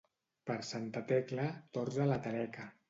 Per Santa Tecla, tords a la taleca.